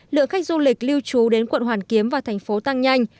lượng khách du lịch lưu trú đến quận hoàn kiếm và thành phố tăng nhanh